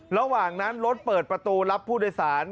ระหว่างนั้นรถเปิดประตูรับผู้โดยสาร